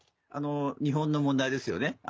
日本の問題ですよね。